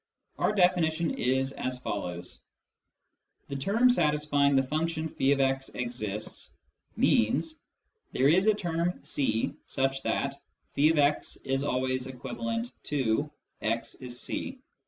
Our definition is as follows :—" The term satisfying the function <j>x exists " means :" There is a term c such that <f>x is always equivalent to ' x is c.'